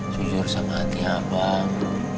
jujur sama hati abang